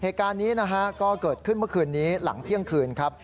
เหตุการณ์นี้นะฮะก็เกิดขึ้นเมื่อคืนนี้หลังเที่ยงคืนครับ